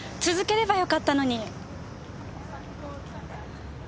続ければよかったのに！